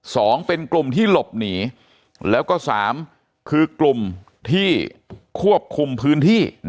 สองเป็นกลุ่มที่หลบหนีแล้วก็สามคือกลุ่มที่ควบคุมพื้นที่